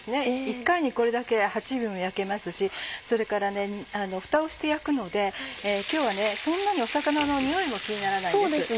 一回にこれだけ８尾も焼けますしそれからフタをして焼くので今日はそんなに魚のにおいも気にならないです。